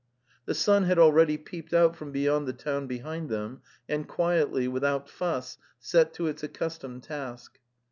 ... The sun had already peeped out from beyond the town behind them, and quietly, without fuss, set to its accustomed task.